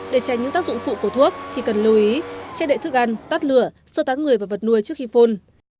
để tránh những tác dụng phụ của thuốc thì cần lưu ý che đậy thức ăn tắt lửa sơ tán người và vật nuôi trước khi phun